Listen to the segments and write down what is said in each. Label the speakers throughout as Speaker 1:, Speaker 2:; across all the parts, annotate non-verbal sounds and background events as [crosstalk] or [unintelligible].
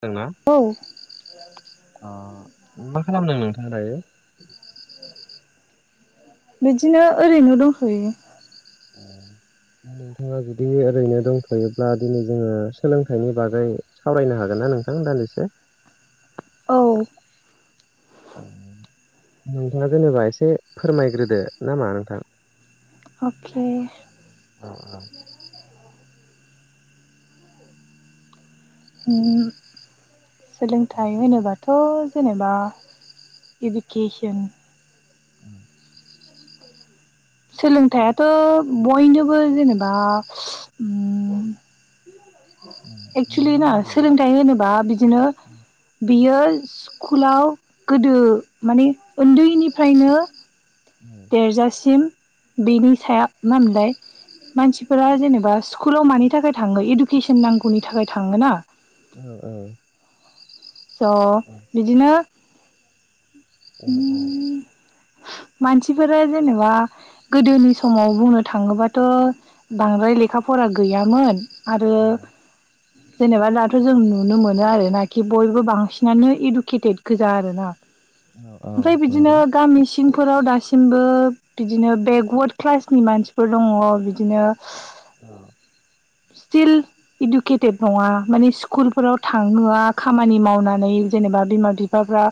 Speaker 1: खोनादोंना
Speaker 2: औ
Speaker 1: अ मा खालामदों नोंथां दायो
Speaker 2: बिदिनो ओरैनो दंथ'यो
Speaker 1: नोंथाङा जुदि ओरैनो दंथ'योब्ला दिनै जोङो सोलोंथाइनि बागै सावरायनो हागो ना नोंथां दान्दिसे
Speaker 2: औ
Speaker 1: नोंथाङा जेनेबा एसे फोरमायग्रोदो नामा नोंथां
Speaker 2: अके
Speaker 1: औ औ
Speaker 2: उम सोलोंथाइ होनोबाथ' जेनेबा इडुकेसन
Speaker 1: [inaudible]
Speaker 2: सोलोंथायाथ' बयनोबो जेनेबा उम एक्सलि
Speaker 1: बयनोबो
Speaker 2: ना
Speaker 1: नांगौ।
Speaker 2: सोलोंथाइ होनोबा बिदिनो बियो स्कुलाव गोदो माने उन्दैनिफ्रायनो
Speaker 1: औ
Speaker 2: देरजासिम बेनि साया मा होनमोनलाय मानसिफोरा जेनेबा स्कुलाव मानि थाखाय थाङो इडुकेसन नांगौनि थाखाय थाङो ना
Speaker 1: औ औ
Speaker 2: स'
Speaker 1: औ
Speaker 2: बिदिनो
Speaker 1: ओ
Speaker 2: उम मानसिफोरा जेनेबा गोदोनि समाव बुंनो थाङोबाथ' बांद्राय लेखा फरा गैयामोन आरो
Speaker 1: औ
Speaker 2: जेनेबा दाथ' जों नुनो मोनो आरो नाखि बयबो बांसिनानो इडुकेटेड गोजा आरोना
Speaker 1: औ औ
Speaker 2: ओमफ्राय बिदिनो
Speaker 1: नंगौ।
Speaker 2: गामि सिंफोराव दासिमबो बिदिनो बेकवार्ड क्लासनि मानसिफोर दङ बिदिनो
Speaker 1: [inaudible]
Speaker 2: स्टिल इदुकेटेट नङा माने स्कुलफोराव थाङोआ खामानि मावनानै जेनेबा बिमा बिफाफ्रा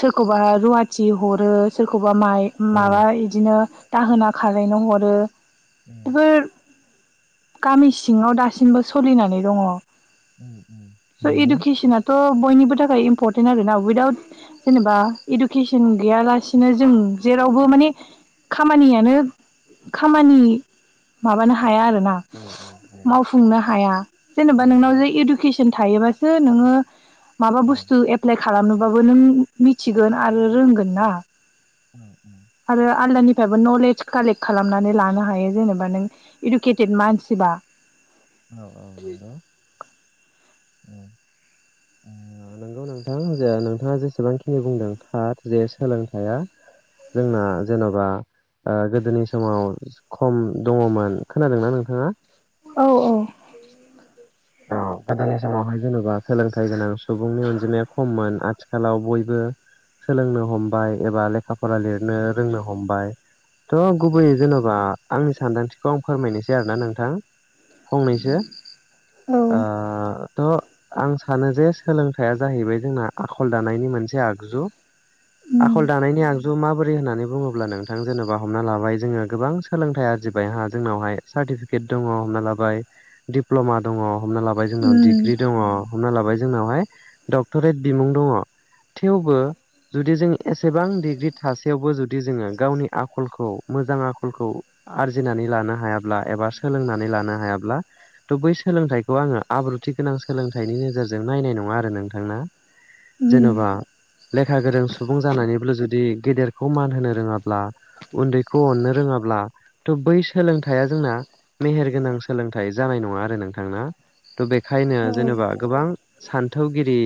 Speaker 2: सोरखौबा रुवाथि हरो सोरखौ बा माइ
Speaker 1: औ
Speaker 2: माबा इदिनो दाहोना खालायनो हरो बेफोर गामि सिङाव दासिमबो सलिनानै दङ
Speaker 1: उम उम नंगौ
Speaker 2: ट' बयनिबो थाखाय इम्परटेन्ट आरो ना उइदाउट जेनेबा इदुकेसन गैयालासिनो जों जेरावबो माने खामानियानो खामानि माबानो हा हाया आरोना मावफुंनो हाया जेनेबा नोंनाव
Speaker 1: औ
Speaker 2: जे इडुकेसन थायोबा सो नोङो माबा बुस्थु एप्लाइ खालामनोबाबो नों मिथिगोन आरो रोंगोन ना
Speaker 1: [inaudible]
Speaker 2: फ्रायबो नलेज कालेक्ट खालामनानै लानो हायो जेनेबा नों इडुकेटेद मानसिबा
Speaker 1: औ औ औ नंगौ नोंथां जे नोंथाङा जेसेबांखिनि बुंदों थार जे सोलोंथाइया जोंना जेन'बा ओ गोदोनि समाव खम दङमोन खोनादोंना नोंथाङा
Speaker 2: औ औ
Speaker 1: औ गोदोनि समावहाय जेनेबा सोलोंथाइ गोनां सुबुंनि अनजिमाया खममोन आथिखालाव बयबो सोलोंनो हमबाय एबा लेखा फरा लिरनो रोंनो हमबाय थ' गुबैयै जेन'बा आंनि सानदांथिखौ आं फोरमायनोसै आरोना नोंथां फंनैसो
Speaker 2: औ
Speaker 1: ओ थ' आं सानो जे सोलोंथाइया जाहैबाय जोंना आखल दानायनि मोनसे आगजु
Speaker 2: उम
Speaker 1: आखल दानायनि आगजु माबोरै रै होननानै बुङोब्ला नोंथां जेनेबा हमना लाबाय जोङो गोबां सोलोंथाइ आरजिबायहा जोंनावहाय सार्टिफिकेट दङ हमना लाबाय डिप्ल'मा दङ हमना लाबाय जोंनाव डिग्रि दङ हमना लाबाय जोंनावहाय डक्टरेट बिमुं दङ थेवबो जुदि जों एसेबां डिग्रि थासेयावबो जुदि जोङो गावनि आखलखौ मोजां आखलखौ आरजिनानै लानो हायाब्ला एबा सोलोंनानै लानो हायाब्ला बै सोलोंथाय खौ आङो आब्रुथि गोनां सोलोंथाइनि नोजोरजों नायनाय नङा आरो नोंथांना जेन'बा लेखा गोरों सुबुं जानानैल जुदि गेदेरखौ मान होनो रोङाब्ला उन्दैखौ अननो रोङाब्ला बा बै सोलोंथाइया जोंना मेहेर गोनां सोलोंथाइ जानाय नङा आरो नोंथांना थ' बेखायनो जेनेबा गोबां सान्थौगिरि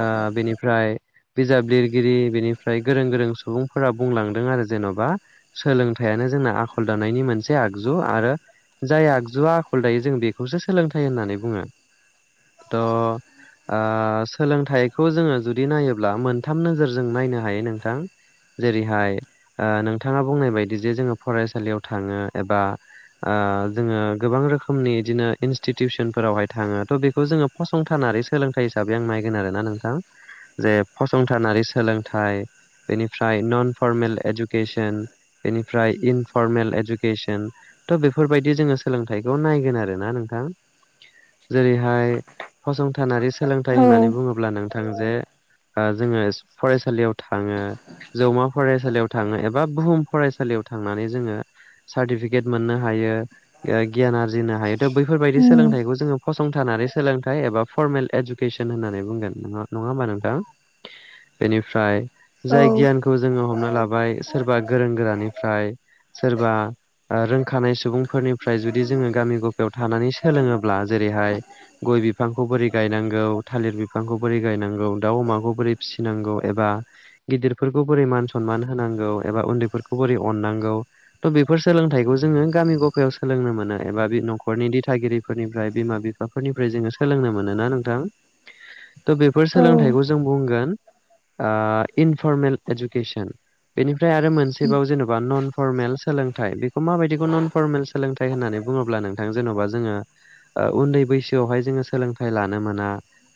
Speaker 1: ओ बेनिफ्राय बिजाब लिरगिरि बेनिफ्राय गोरों गोरों सुबुंफोरा बुंलांदों आरो जेन'बा सोलोंथाइयानो जोंना आखल दानायनि मोनसे आगजु आरो जाय आगजुआ आखल दायो जों बेखौसो सोलोंथ फै होननानै बुङो थ' ओ सोलोंथाइखौ जोङो जुदि नायोब्ला मोनथाम नोजोरजों नायनो हायो नोंथां जेरैहाय नोंथाङा बुंनाय बायदि जे जोङो फरायसालियाव थाङो एबा जोङो गोबां रोखोमनि बिदिनो इनस्टिटिउसनफोरावहाय थाङो थ' बेखौ जोङो फसंथानारि सोलोंथाइ हिसाबै आं नायगोन आरोना नोंथां जे फसंथानारि सोलोंथाइ बेनिफ्राय नन फरमेल इडुकेसन बेनिफ्राय इनफरमेल इडुकेसन थ' बेफोरबायदि जोङो सोलोंथाइखौ नायगोन आरो ना नोंथां जेरैहाय फसंथानारि सोलोंथाइ होननानै बुङोब्ला नोंथां जे जोङो फरायसालियाव थाङो जौमा फरायसालियाव थाङो एबा बुहुम फरायसालियाव थांनानै जोङो सार्टिफिकेट मोननो हायो गियान आरजिनो हायो' बै सोलोंथाइखौ जोङो फसंथानानै सोलोंथाइ एबा फरमेल इडुकेसन होननानै बुंगोना नङा होमबा नोंथां बेनिफ्राय जाय गियानखौ जोङो हमनानै लाबाय सोरबा गोरों गोरानिफ्राय सोरबा रोंखानाय सुबुंफोरनिफ्राय जुदि जोङो गामि गफायाव थानानै सोलोङोब्ला जेरैहाय गय बिफांखौ बोरै गायनांगौ थालिर बिफांखौ बोरै गायनांगौ दाउ अमाखौ बोरै फिसिनांगौ एबा गिदिरफोरखौ बोरै मान सनमान होनांगौ एबा उन्दैफोरखौ बोरै अननांगौ थ' बेफोर सोलोंथाइखौ जोङो गामि गफायाव सोलोंनो मोनो एबा बे न'खरनि दि थागिरिफोरनिफ्राय बिमा बिफाफोरनिफ्राय जोङो सोलोंनो मोनोना नोंथां थ' बेफोर सोलोंथाइखौ जों बुंगोन इनफरमेल इडुकेसन बेनिफ्राय आरो मोनसेबाव जेनेबा नन फर्मेल सोलोंथाइ बेखौ माबायदिखौ नन फरमेल सोलोंथाइ होननानै बुङोब्ला नोंथां जेन'बा जोङो उन्दै बैसोआवहाय जोङो सोलोंथाइ लानो मोना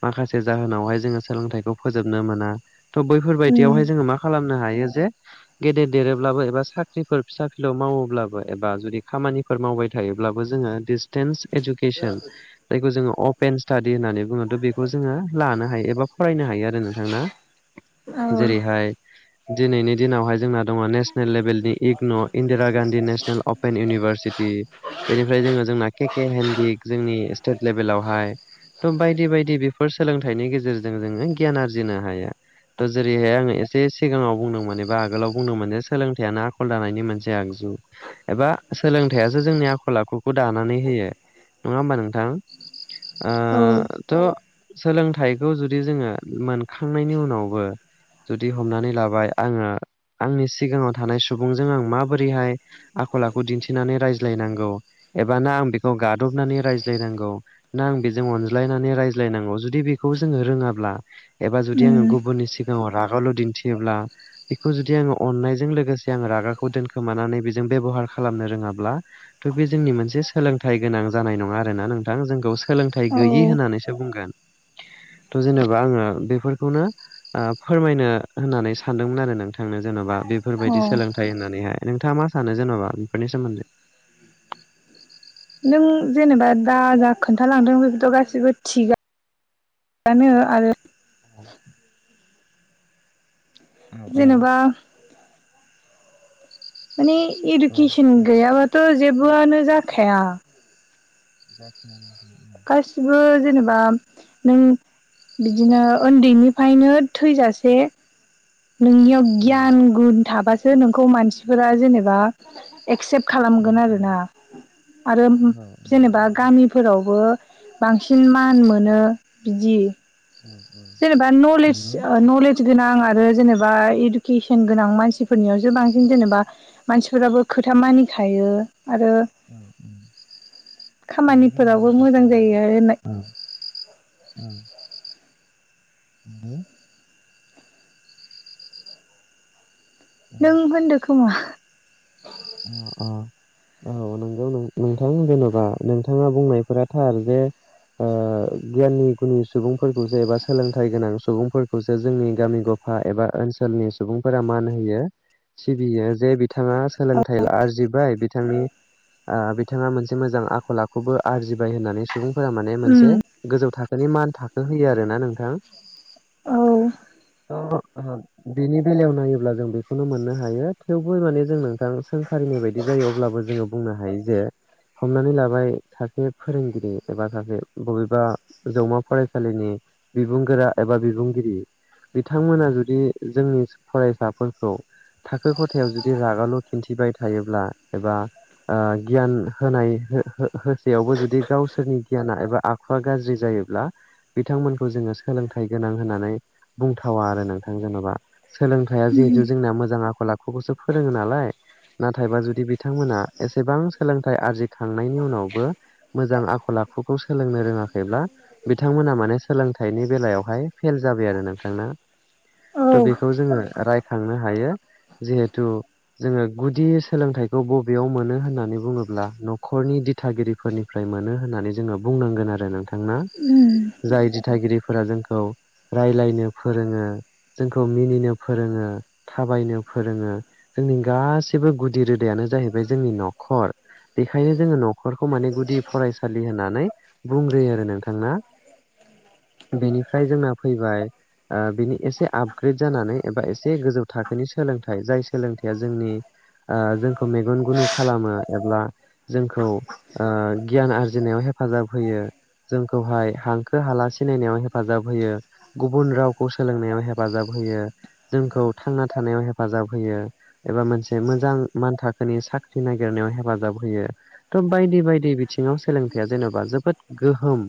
Speaker 1: माखासे जाहोनावहाय जोङो सोलोंथाइखौ फोजोबनो मोना थ' बैफोर बायदियावहाय जोङो मा खालामनो हायो जे गेदेर देरोब्लाबो एबा साख्रिफोर फिसा फिलौ मावोब्लाबो एबा जुदि खामानिफोर मावबाय थायो थायोब्लाबो [unintelligible] अपेन स्टाडि होननानै बुङोथ' बेखौ जोङो लानो हायो एबा फरायनो हायो आरो नोंथांना जेरैहाय दिनैनि दिनावहाय जोंना दङ नेसनेल लेभेलनि इगन' Indira Gandhi national open university बेनिफ्राय जोङो जोंना केक हन्दड जोंनि स्टेट लेभेलावहाय थ' बायदि बायदि बेफोर सोलोंथाइनि गेजेरजों जोङो गियान आरजिनो हायो। थ' जेरैहाय आङो एसे सिगाङाव बुंदोंमोन एबा आगोलाव बुंदोंमोन जे सोलोंथाइयानो आखल दानायनि मोनसे आगजु। एबा सोलोंथाइयासो जोंनि आखल आखुखौ दा नानैहोयो नङा हबा नोंथां? ओ थ सोलोंथाइखौ जुदि जोङो मोनखांनायनि उनावबो जुदि हमनानै लाबाय आङो आंनि सिगाङाव थानाय सुबुंजों आं माबोरैहाय आखल आखु दिन्थिनानै रायज्लायनांगौ। एबा ना आं बेखौ गादबनानै रायज्लायनांगौ ना आं बेजों अनज्लायनानै रायज्लायनांगौ जुदि बेखौ बेखौजों रोङाब्ला एबा आं गुबुनि सि गाङाव रागाल' दिन्थियोब्ला बेखौ जुदि आङो अननायजों लोगोसे आं रागाखौ दोनखोमानानै बेजों बेब'हार खालामनो रोङाब्ला थ' बे जोंनि मोनसे सोलोंथाइ गोनां जानाय नङा आरोना नोंथां जोंखौ सोलोंथाइ गैयि होननानैसो बुंगोन
Speaker 2: [inaudible]
Speaker 1: थ' जेनेबा आङो बेफोरखौनो ओ फोरमायनो होननानै सानदोंमोन आरो नोंथांनो जेन'बा बेफोरबायदि सोलोंथाइ होननानैहाय नोंथाङा मा सानो जेन'बा बेफोरनि सोमोन्दै?
Speaker 2: जों जेनेबा दा जा खोन्थालांदों बेखौथ' गासिबो थिगा आनो आरो
Speaker 1: औ।
Speaker 2: जेनेबा बे इडुकेसन गैयाबाथ' जेबोआनो जाखाया।
Speaker 1: [inaudible]
Speaker 2: गासिबो जेनेबा नों बिदिनो उन्दैनिफ्रायनो थैजासे नोंनियाव गियान गुन थाबासो नोंखौ मानसिफोरा जेनेबा एक्सेप्ट खालामगोन आरोना आरो जेनेबा गामिफोरावबो बांसिन मान मोनो बिदि
Speaker 1: औ औ
Speaker 2: जेनेबा न'लेेज
Speaker 1: नंगौ
Speaker 2: ओ न'लेज गोनां आरो जेनेबा इडुकेसन गोनां मानसिफोरनियावसो बांसिन जेनेबा मानसिफोराबो खोथा मानिखायो। आरो
Speaker 1: औ। साननो गोरों
Speaker 2: खामानिफोरावबो
Speaker 1: होननानै
Speaker 2: मोजां
Speaker 1: सानो
Speaker 2: जायो आरोनाय
Speaker 1: औ औ। ह औ
Speaker 2: नों होनदो खोमा।
Speaker 1: अ औ औ नंगौ। नोंथां जेन'बा नोंथाङा बुंनायफोरा थार जे ओ गियाननि गुनि सुबुंफोरखौसो एबा सोलोंथाइ गोनां सुबुंफोरखौसो जोंनि गामि एबा ओनसोलनि सुबुंफोरा मान होयो सिबियो जे बिथाङा आ बिथाङा मोनसे मोजां आखल आखुबो आरजिबाय होननानै सुबुंफोरा माने मोनसे गोजौ थाखोनि मान थाखो होयो आरो ना नोंथां।
Speaker 2: औ।
Speaker 1: बेनि बेलायाव नायोब्ला जों बेखौनो मोननो हायो थेवबो माने जोंनो दा आं सोंखारिनाय बायदि जायो अब्लाबो जोङो बुंनो हायो जे हमनानै लाबाय सासे फोरोंगिरि एबा सासे बबेबा जौमा फरायसालिनि बिबुंगोरा एबा बिबुंगिरि। बिथांमोना जुदि जोंनि फरायसाफोरखौ थाखो खथायाव जुदि रागाल' दिन्थिबाय थायोब्ला एबा ओ गियान होनाय होसेयावबो जुदि गावसोरनि गियाना एबा आखुवा गाज्रि जायो बिथांमोनखौ जोङो सोलोंथाइ गोनां होननानै बुंथावा आरो नोंथां जेन'बा सोलोंथाइया जिहेथु जोंना मोजां आखल आखुखौसो फोरोङो नालाय नाथायबा जुदि बिथांमोना एसेबां सोलोंथाइ आरजिखांनायनि उनावबो मोजां आख खल आखुखौ सोलोंनो रोङाखैब्ला बिथांमोना माने सोलोंथाइनि बेलायावहाय फेल जाबाय आरो नोंथां
Speaker 2: औ
Speaker 1: था बेखौ जोङो रायखांनो हायो जिहेथु जोङो गुदि सोलोंथाइखौ बबेयाव मोनो होननानै बुङोब्ला न'खरनि दिथागिरिफोरनिफ्राय मोनो होननानै जोङो बुंनांगोन आरो नोंथांना जाय दिथागिरिफोरा जोंखौ राय्लायनो फोरोङो जोंखौ मिनिनो फोरोङो थाबायनो फोरोङो जोंनि गाैबो गुदिर नो जाहैबाय जोंनि न'खर बेखायनो जोङो न'खरखौ माने गुदि फरायसालि होन नानै बुंग्रोयो आरो नोंथां ना बेनिफ्राय जोंना फैबाय बिनि एसे आपग्रेद जानानै एबा एसे गोजौ थाखोनि सोलोंथाइ जाय सोलोंथाइया जोंनि ओ जोंखौ मेगन गुनु खालामो एबा जोंखौ ओ गियान आरजिनायाव हेफ फाजाब होयो जोंखौहाय हांखो हाला सिनायनायाव हेफाजाब होयो गुबुन रावखौ सोलोंनायाव हेफाजाब होयो होयो जोंखौ थांना थानायाव हेफाजाब होयो बा मोनसे मोजां माथाखोनि साख्रि ननाय हेफाजाब होयो बाय बायदि बायदि बिथिङाव सोलोंथाइया जेन'बा जोबोद गोहोम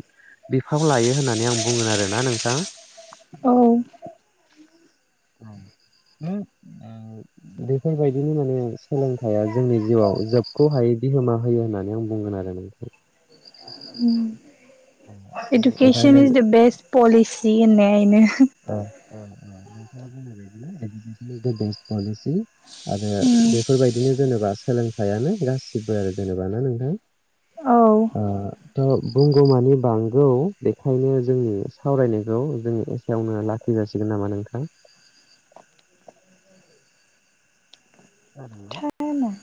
Speaker 1: बिफाव लायो होननानै आं बुंगोन आरोना नोंथां
Speaker 2: औ
Speaker 1: औ बेफोरबायदिनो माने सोलोंथाइया जोंनि जिउआव जोबख' हायै बिहोमा होयो होननानै आं बुंगोन आरो नोंथां
Speaker 2: education is the best policy होननाय आनो
Speaker 1: ओ नोंथाङा बुंनाय बायदि [unintelligible] पलिसि आरो बेफोरबायदि बे जेनेबा सोलोंथायाइानो गासिबो आरो जेनेब ना नोंथां
Speaker 2: औ
Speaker 1: बुंगौ मानि बांगौ बेखायनो जोंनि सावरायनायखौ जों यावनो लाखि जासिगोन नामा नोंथां
Speaker 2: टाइमा
Speaker 1: [unintelligible]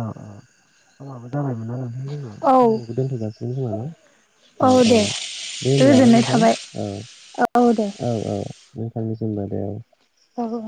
Speaker 1: अ अ समाबो जाबायमोना जोंना
Speaker 2: औ
Speaker 1: सावरायनायखौ दोनथ'जासिगोन खोमा न' औ औ दे होनोमब्लालाय
Speaker 2: गोजोननाय
Speaker 1: नोंथां
Speaker 2: थाबाय
Speaker 1: औ औ औ नोंथांनिसिमबो दे
Speaker 2: औ